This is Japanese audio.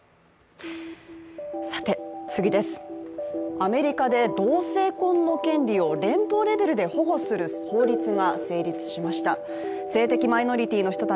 アメリカで同性婚の権利を連邦レベルで保護する法律が成立しました。